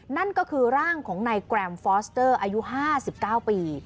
นั่นก็คือร่างของนายแกรมฟอสเตอร์อายุ๕๙ปี